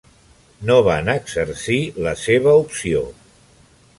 No van exercir la seva opció.